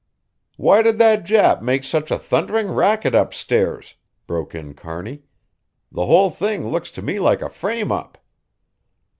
"Why did that Jap make such a thundering racket upstairs?" broke in Kearney. "The whole thing looks to me like a frame up."